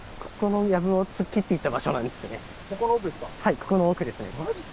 ここの奥ですか？